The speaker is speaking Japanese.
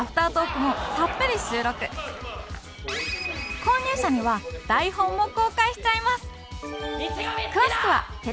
購入者には台本も公開しちゃいます！